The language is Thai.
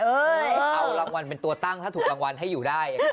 เอารางวัลเป็นตัวตั้งถ้าถูกรางวัลให้อยู่ได้อย่างนี้